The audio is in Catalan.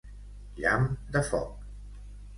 Llamp de foc!